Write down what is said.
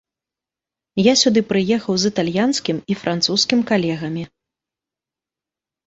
Я сюды прыехаў з італьянскім і французскім калегамі.